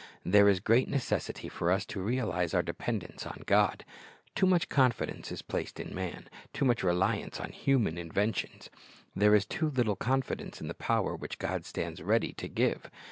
There is great necessity for us to realize our dependence on God. Too much confidence is placed in man, too much reliance on human inventions. There is too little confidence in the power which God stands ready to give.